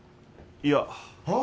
いやあっ？